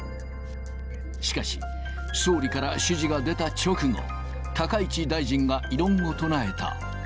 しかし、総理から指示が出た直後、高市大臣が異論を唱えた。